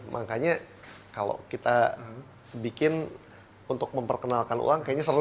makanya kalau kita bikin untuk memperkenalkan uang kayaknya seru